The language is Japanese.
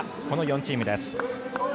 この４チームです。